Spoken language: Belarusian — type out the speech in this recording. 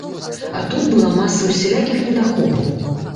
А тут была маса усялякіх недахопаў.